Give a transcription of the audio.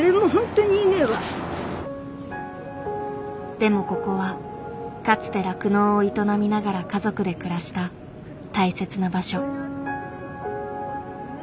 でもここはかつて酪農を営みながら家族で暮らした大切な場所。